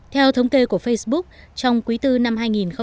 theo thống kê của facebook trong quý tư năm hai nghìn một mươi sáu